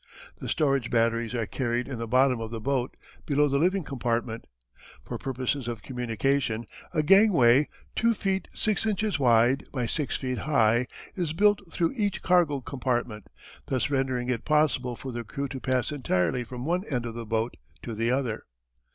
The storage batteries are carried in the bottom of the boat, below the living compartment. For purposes of communication, a gangway, 2 feet 6 inches wide by 6 feet high, is built through each cargo compartment, thus rendering it possible for the crew to pass entirely from one end of the boat to the other.